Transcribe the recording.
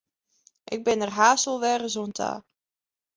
Ik bin der hast wolris wer oan ta.